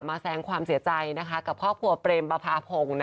แสงความเสียใจกับครอบครัวเปรมประพาพงศ์